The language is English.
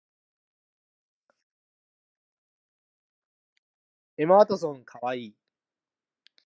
Similar to other corvids, Eurasian jays have been reported to plan for future needs.